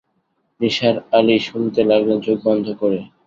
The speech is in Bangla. নিসার আলি শুনতে লাগলেন চোখ বন্ধ করে।